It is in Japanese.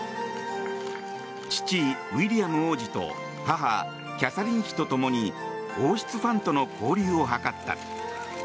父ウィリアム王子と母キャサリン妃と共に王室ファンとの交流を図った。